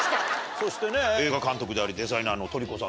そして映画監督でありデザイナーのＴＯＲＩＣＯさん。